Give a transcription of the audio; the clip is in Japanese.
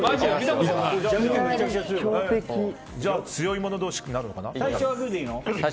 じゃあ強い者同士になるのかな。